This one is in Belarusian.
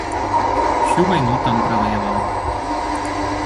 Усю вайну там праваяваў.